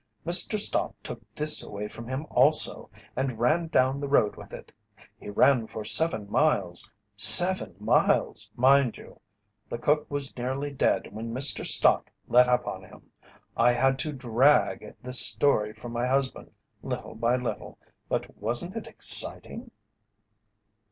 Mr. Stott took this away from him, also, and ran him down the road with it. He ran him for seven miles seven miles, mind you! The cook was nearly dead when Mr. Stott let up on him. I had to drag this story from my husband, little by little. But wasn't it exciting?"